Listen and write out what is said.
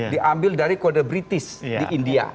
diambil dari kode british di india